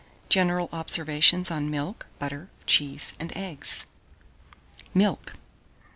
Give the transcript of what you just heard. GENERAL OBSERVATIONS ON MILK, BUTTER, CHEESE, AND EGGS. MILK.